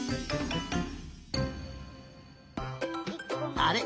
あれ？